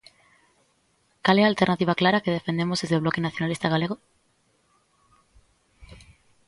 ¿Cal é a alternativa clara que defendemos desde o Bloque Nacionalista Galego?